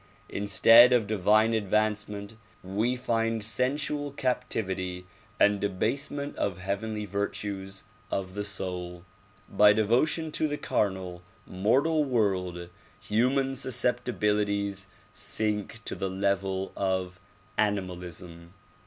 Instead of divine advancement we find sensual captivity and debasement of heavenly virtues of the soul. By devotion to the carnal, mortal world human susceptibilities sink to the level of animalism.